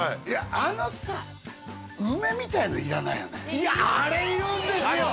あのさ梅みたいのいらないよねあれいるんですよ！